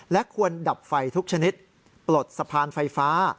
และควรดับไฟทุกชนิดปลดสะพานไฟฟ้า